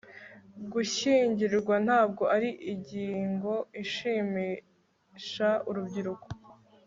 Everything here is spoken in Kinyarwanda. Gushyingirwa ntabwo ari ingingo ishimisha urubyiruko